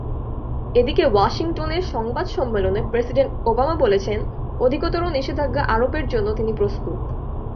এদিকে ওয়াশিংটনে সংবাদ সম্মেলনে প্রেসিডেন্ট ওবামা বলেছেন, অধিকতর নিষেধাজ্ঞা আরোপের জন্য তিনি প্রস্তুত।